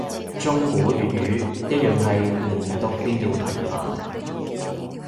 中古粵語一樣係連讀變調頻繁